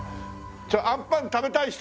あんぱん食べたい人！